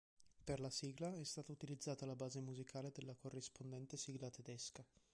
Per la sigla è stata utilizzata la base musicale della corrispondente sigla tedesca.